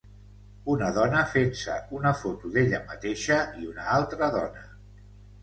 Una dona fent-se una foto d'ella mateixa i una altra dona